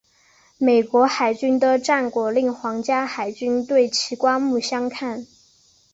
美国海军的战果令皇家海军对其刮目相看。